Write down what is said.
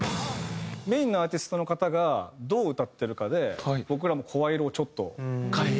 メインのアーティストの方がどう歌ってるかで僕らも声色をちょっと変えて。